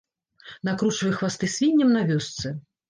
Накручвай хвасты свінням на вёсцы!